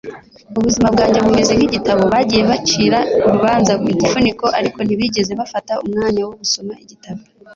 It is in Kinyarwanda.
ubuzima bwanjye bumeze nkigitabo bagiye bacira urubanza ku gifuniko ariko ntibigeze bafata umwanya wo gusoma igitabo